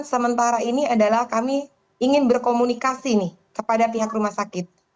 sementara ini adalah kami ingin berkomunikasi nih kepada pihak rumah sakit